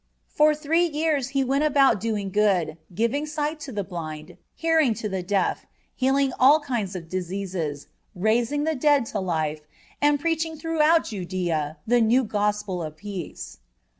For three years He went about doing good, giving sight to the blind, hearing to the deaf, healing all kinds of diseases, raising the dead to life, and preaching throughout Judea the new Gospel of peace.